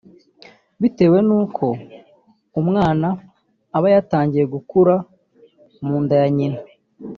bitewe nuko umwana aba yatangiye gukura mu nda ya nyina